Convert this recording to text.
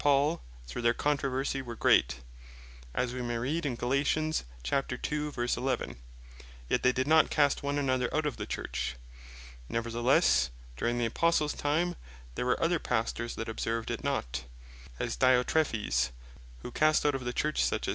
Paul, though their controversie were great, (as we may read in Gal. 2.11.) yet they did not cast one another out of the Church. Neverthelesse, during the Apostles time, there were other Pastors that observed it not; As Diotrephes (3 John 9. &c.) who cast out of the Church, such as S.